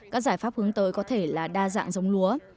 các giải pháp hướng tới có thể là đa dạng giống lúa